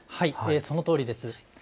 そのとおりです。